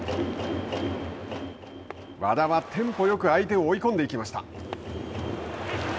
和田はテンポよく相手を追い込んでいきました。